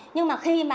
nhưng mà khi mà